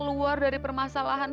terima kasih ya bang